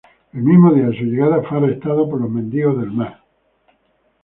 El mismo día de su llegada fue arrestado por los mendigos del mar.